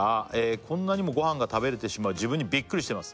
「こんなにもごはんが食べれてしまう自分にビックリしてます」